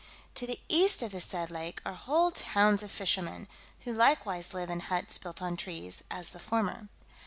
To the east of the said lake are whole towns of fishermen, who likewise live in huts built on trees, as the former.